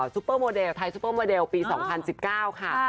ซุปเปอร์โมเดลไทยซุปเปอร์โมเดลปี๒๐๑๙ค่ะ